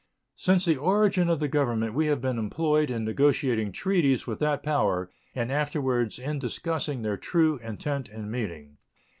Since the origin of the Government we have been employed in negotiating treaties with that power, and afterwards in discussing their true intent and meaning.